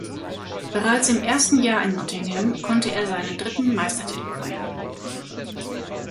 Bereits im ersten Jahr in Nottingham konnte er seinen dritten Meistertitel feiern.